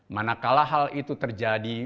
manakala hal itu terjadi